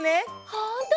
ほんとだ！